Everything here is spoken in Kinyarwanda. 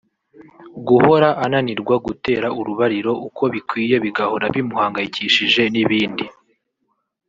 guhora ananirwa gutera urubariro uko bikwiye bigahora bimuhangayikishije n’ibindi